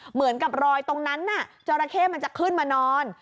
เหมือนกับรอยตรงนั้นน่ะจราเข้มันจะขึ้นมานอน